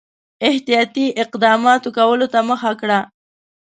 احتیاطي اقداماتو کولو ته مخه کړه.